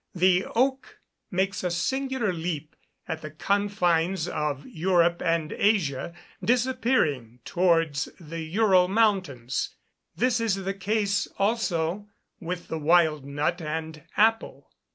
The oak makes a singular leap at the confines of Europe and Asia, disappearing towards the Ural mountains. This is the case also with the wild nut and apple.